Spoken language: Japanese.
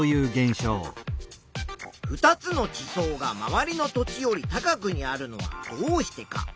「２つの地層がまわりの土地より高くにあるのはどうしてか」。